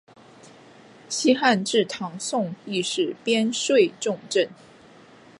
西汉至唐宋亦是边睡重镇。